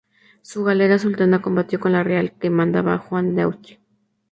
Su galera, "Sultana", combatió con "La Real" que mandaba Juan de Austria.